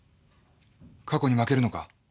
過去に負けるのか？